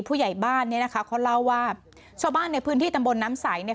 ผู้ใหญ่บ้านเนี่ยนะคะเขาเล่าว่าชาวบ้านในพื้นที่ตำบลน้ำใสเนี่ย